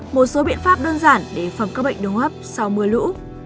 một số biện pháp đơn giản để phòng các bệnh đường hấp sau mưa lũ